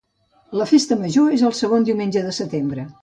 La festa major és el segon diumenge de setembre.